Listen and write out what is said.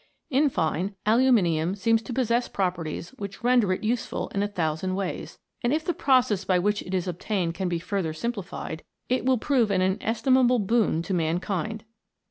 In fine, aluminium seems to possess properties which render it useful in a thou sand ways, and if the process by which it is ob tained can be further simplified, it will prove an inestimable boon to mankind.